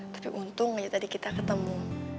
tapi untung aja tadi kita ketemu